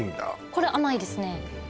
これ甘いですね